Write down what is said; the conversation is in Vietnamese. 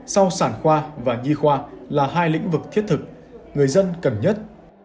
sau sản khoa và nhi khoa là hai lĩnh vực thiết thực người dân cần nhất